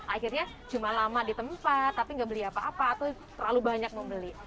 akhirnya cuma lama di tempat tapi nggak beli apa apa atau terlalu banyak membeli